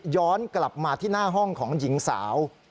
ย้อนกลับมาที่หน้าห้องของหญิงสาว